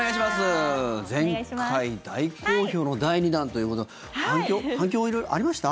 前回大好評の第２弾ということで反響、色々ありました？